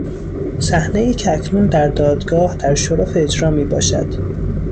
صحنهای که اکنون در دادگاه در شرف اجرا می باشد.